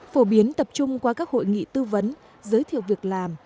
phổ biến tập trung qua các hội nghị tư vấn giới thiệu việc làm